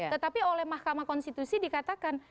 tetapi oleh mahkamah konstitusi dikatakan